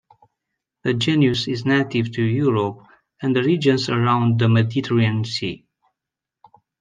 This genus is native to Europe and the regions around the Mediterranean Sea.